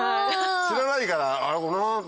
知らないからあれ？